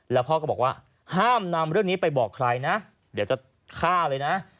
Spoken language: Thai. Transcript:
แล้วพ่อก็บอกว่าห้ามนำเรื่องนี้ไปบอกใครนะเดี๋ยวจะฆ่าเลยนะ